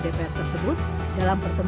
masyarakat yang kemudian membutuhkan rentuan